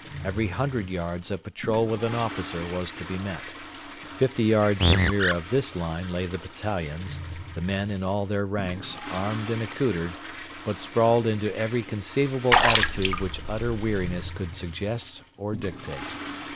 Every hundred yards a patrol with an officer was to be met. Fifty yards in rear of this line lay the battalions, the men in all their ranks, armed and accoutred, but sprawled into every conceivable attitude which utter weariness could suggest or dictate.